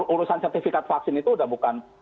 urusan sertifikat vaksin itu udah bukan